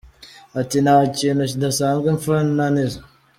Ati “Nta kintu kidasanzwe mfa na Nizzo.